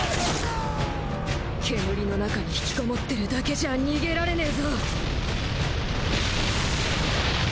煙の中に引きこもってるだけじゃ逃げられねぇぞ。